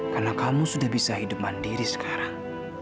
karena kamu sudah bisa hidup mandiri sekarang